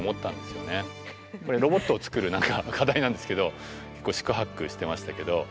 これロボットを作る課題なんですけど結構四苦八苦してましたけど。